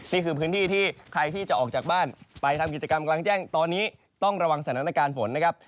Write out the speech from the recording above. นี่คือพื้นที่ที่ใครที่จะออกจากบ้านไปทำกิจกรรมกลางแจ้งตอนนี้ต้องระวังสถานการณ์ฝนนะครับ